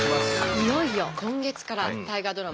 いよいよ今月から大河ドラマ